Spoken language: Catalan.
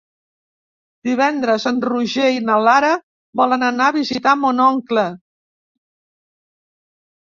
Divendres en Roger i na Lara volen anar a visitar mon oncle.